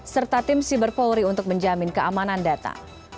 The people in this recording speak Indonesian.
serta tim siber polri untuk menjamin keamanan data